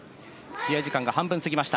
試合が半分過ぎました。